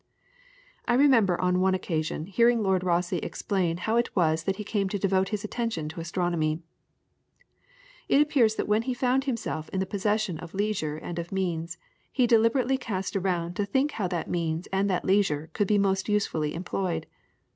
I remember on one occasion hearing Lord Rosse explain how it was that he came to devote his attention to astronomy. It appears that when he found himself in the possession of leisure and of means, he deliberately cast around to think how that means and that leisure could be most usefully employed.